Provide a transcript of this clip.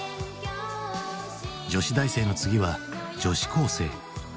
女子大生の次は女子高生。